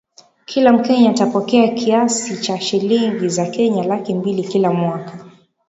kila mkenya atapokea kiasi cha shilingi za Kenya laki mbili kila mwaka